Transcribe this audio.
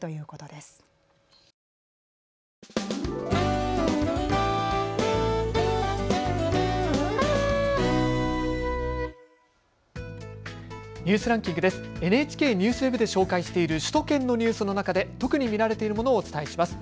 ＮＨＫＮＥＷＳＷＥＢで紹介している首都圏のニュースの中で特に見られているものをお伝えします。